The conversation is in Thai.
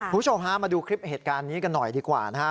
คุณผู้ชมฮะมาดูคลิปเหตุการณ์นี้กันหน่อยดีกว่านะฮะ